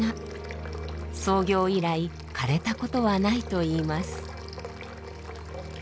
創業以来かれたことはないといいます。